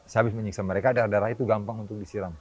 sehabis menyiksa mereka darah darah itu gampang untuk disiram